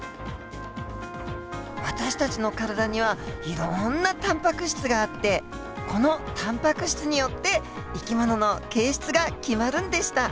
私たちの体にはいろんなタンパク質があってこのタンパク質によって生き物の形質が決まるんでした。